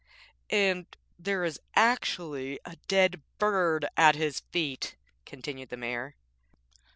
'And there is actually a dead bird at his feet,' continued the Mayor.